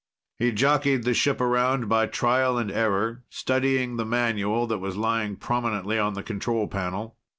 He jockeyed the ship around by trial and error, studying the manual that was lying prominently on the control panel.